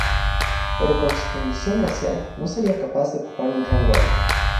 Pero con su condición racial no seria capaz de ocupar un rango alto.